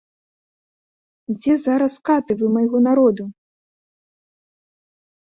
Дзе зараз каты вы майго народу?